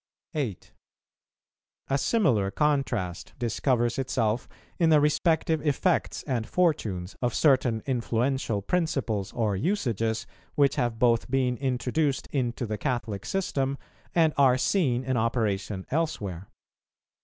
8. A similar contrast discovers itself in the respective effects and fortunes of certain influential principles or usages, which have both been introduced into the Catholic system, and are seen in operation elsewhere.